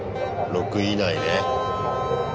６位以内ね。